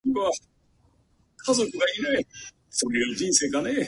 三度目の正直